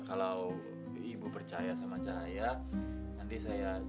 kalian memang nggak punya perasaan